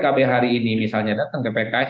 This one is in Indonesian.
kenapa pks hari ini misalnya datang ke pks